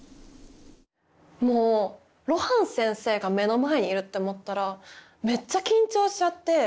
もう露伴先生が目の前にいるって思ったらめっちゃ緊張しちゃって。